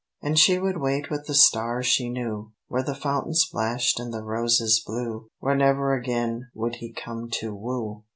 And she would wait with the star she knew, Where the fountain splashed and the roses blew, Where never again would he come to woo.